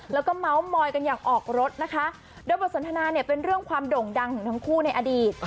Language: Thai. แล้วก็เมาส์มอยกันอย่างออกรถนะคะโดยบทสนทนาเนี่ยเป็นเรื่องความโด่งดังของทั้งคู่ในอดีต